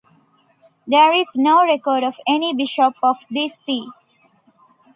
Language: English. There is no record of any bishop of this see.